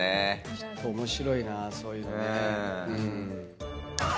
ちょっと面白いなそういうのね。